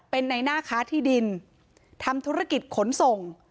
เป็นในหน้าค้าที่ดินทำธุรกิจขนส่ง